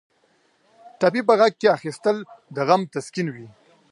ټپي په غېږ کې اخیستل د غم تسکین وي.